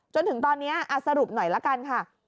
จนถึงตอนนี้สรุปหน่อยละกันค่ะ